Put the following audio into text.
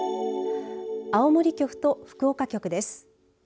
青森局と福岡局です。